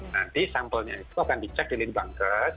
nanti sampelnya itu akan dicek di litbangkes